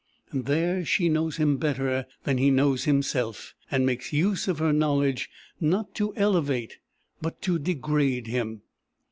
There, she knows him better than he knows himself; and makes use of her knowledge, not to elevate, but to degrade him.